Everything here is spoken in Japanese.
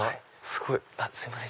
すいません